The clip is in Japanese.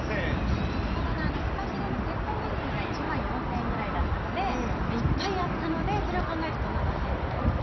先ほどのフカヒレのセットメニューが１万４０００円くらいだったのでいっぱいあったのでそれを考えるとそうか。